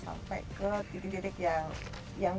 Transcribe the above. sampai ke titik titik yang